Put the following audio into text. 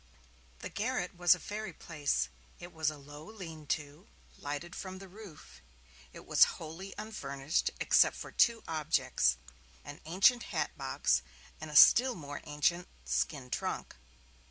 The garret was a fairy place. It was a low lean to, lighted from the roof. It was wholly unfurnished, except for two objects, an ancient hat box and a still more ancient skin trunk.